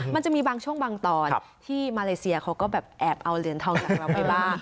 มันจะมีบางช่วงบางตอนที่มาเลเซียเขาก็แบบแอบเอาเหรียญทองจากเราไปบ้าง